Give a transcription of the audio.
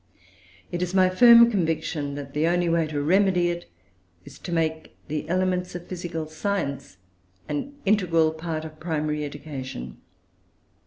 It is my firm conviction that the only way to remedy it is to make the elements of physical science an integral part of primary education.